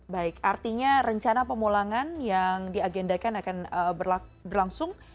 baik artinya rencana pemulangan yang diagendakan akan berlangsung